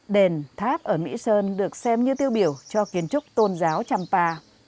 đền tháp ở mỹ sơn được xem như tiêu biểu cho kiến trúc tôn giáo trăm pa